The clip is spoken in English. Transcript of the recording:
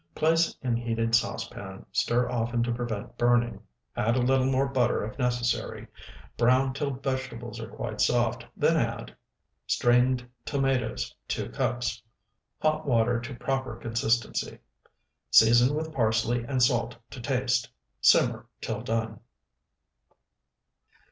Place in heated saucepan, stir often to prevent burning, add a little more butter if necessary; brown till vegetables are quite soft, then add Strained tomatoes, 2 cups. Hot water to proper consistency. Season with parsley and salt to taste. Simmer till done.